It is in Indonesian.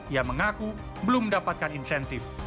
ia mengaku belum mendapatkan insentif